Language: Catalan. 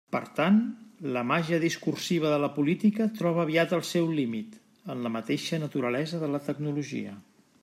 Per tant, la màgia discursiva de la política troba aviat el seu límit: en la mateixa naturalesa de la tecnologia.